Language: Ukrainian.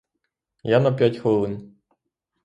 Я на п'ять хвилин.